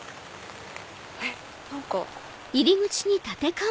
えっ何か。